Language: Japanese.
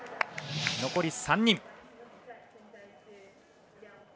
残り３人。